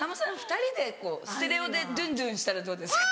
２人でステレオでドゥンドゥンしたらどうですか？